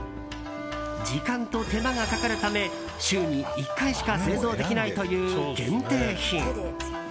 時間と手間がかかるため週に１回しか製造できないという限定品。